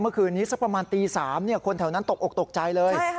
เมื่อคืนนี้สักประมาณตี๓คนแถวนั้นตกออกตกใจเลย